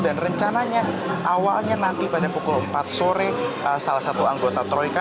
dan rencananya awalnya nanti pada pukul empat sore salah satu anggota troika